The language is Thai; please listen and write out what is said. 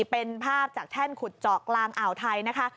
เป็นภาพจากแท่นขุดเจาะกลางอ่าวไทยนะคะ